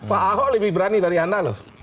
pak ahok lebih berani dari anda loh